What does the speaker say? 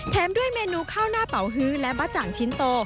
ด้วยเมนูข้าวหน้าเป๋าฮื้อและบะจ่างชิ้นโต